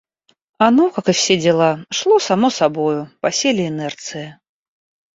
Оно, как и все дела, шло само собою, по силе инерции.